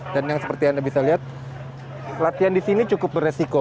dan yang seperti anda bisa lihat latihan di sini cukup beresiko